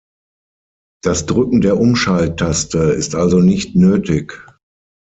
Das Drücken der Umschalttaste ist also nicht nötig.